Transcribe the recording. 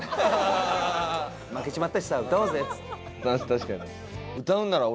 確かに。